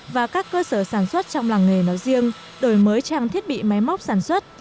và các cơ sở sản xuất trong làng nghề nói riêng đổi mới trang thiết bị máy móc sản xuất